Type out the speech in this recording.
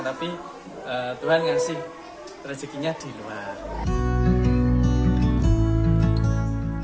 tapi tuhan ngasih rezekinya di luar